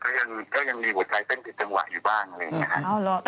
แต่ก็ยังมีหัวใจเต้นติดจังหวะอยู่บ้างเลยไงฮะ